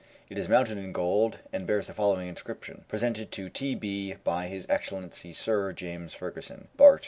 It is mounted in gold, and bears the following inscription: "Presented to T. B. by His Excellency Sir James Fergusson, Bart.